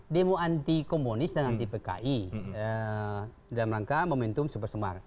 demo anti komunis dan anti pki dalam rangka momentum super semar